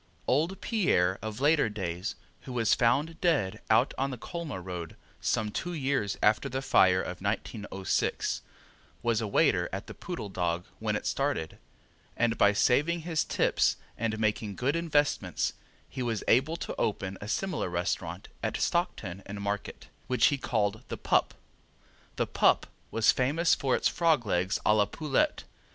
Old Pierre of later days, who was found dead out on the Colma road some two years after the fire of 1906, was a waiter at the Poodle Dog when it started, and by saving his tips and making good investments he was able to open a similar restaurant at Stockton and Market, which he called the Pup. The Pup was famous for its frogs' legs a la poulette.